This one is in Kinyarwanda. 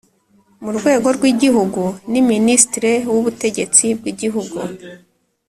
murwego rw’igihugu ni ministre w’ubutegetsi bw’igihugu